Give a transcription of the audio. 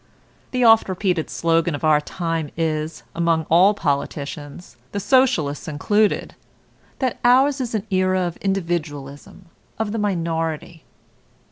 The oft repeated slogan of our time is, among all politicians, the Socialists included, that ours is an era of individualism, of the minority.